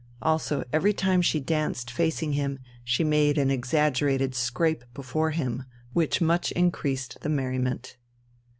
Also every time she danced facing him she made an exaggerated scrape before him which much increased the merriment.